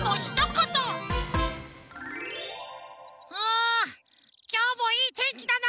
あきょうもいいてんきだなあ！